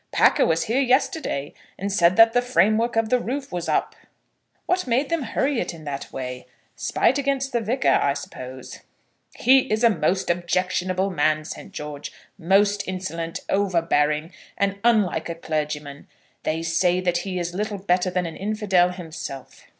Packer was here yesterday, and said that the framework of the roof was up." "What made them hurry it in that way? Spite against the Vicar, I suppose." "He is a most objectionable man, Saint George; most insolent, overbearing, and unlike a clergyman. They say that he is little better than an infidel himself."